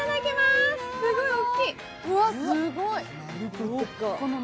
すわすごい！